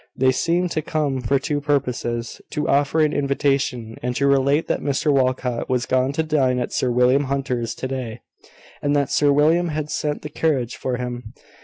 They seemed to come for two purposes to offer an invitation, and to relate that Mr Walcot was gone to dine at Sir William Hunter's to day, and that Sir William had sent the carriage for him.